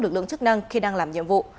lực lượng chức năng khi đang làm nhiệm vụ